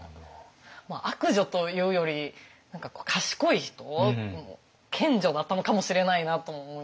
悪女というより賢い人賢女だったのかもしれないなとも思いましたね。